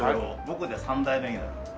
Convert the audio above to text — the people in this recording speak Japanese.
僕で３代目になる。